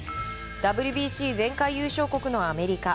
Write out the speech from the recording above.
ＷＢＣ前回優勝国のアメリカ。